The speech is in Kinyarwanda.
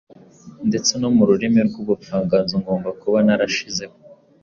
ndetse no mu rurimi rw'ubuvanganzo ngomba kuba narashizeho